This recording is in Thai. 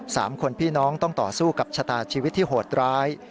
สามคนพี่น้องต้องต่อสู้กับชะตาชีวิตที่โหดร้าย